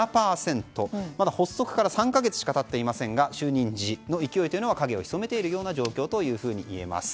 まだ発足から３か月しか経っていませんが就任時の勢いは影を潜めている状況といえます。